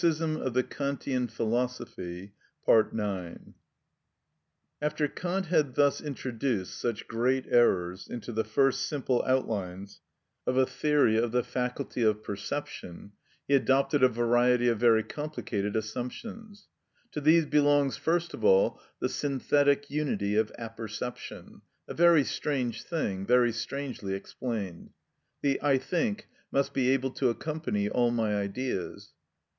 ‐‐‐‐‐‐‐‐‐‐‐‐‐‐‐‐‐‐‐‐‐‐‐‐‐‐‐‐‐‐‐‐‐‐‐‐‐ After Kant had thus introduced such great errors into the first simple outlines of a theory of the faculty of perception, he adopted a variety of very complicated assumptions. To these belongs first of all the synthetic unity of apperception: a very strange thing, very strangely explained. "The I think must be able to accompany all my ideas."